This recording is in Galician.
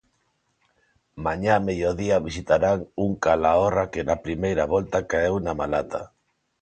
Mañá a mediodía visitarán un Calahorra que na primeira volta caeu na Malata.